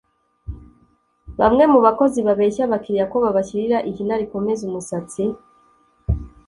Bamwe mu bakozi babeshya abakiriya ko babashyirira ihina rikomeza umusatsi